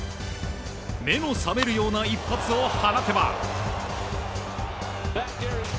目も覚めるような一発を放てば。